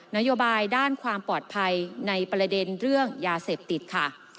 นโยบายด้านความปลอดภัยในประเด็นเรื่องยาเสพติดค่ะ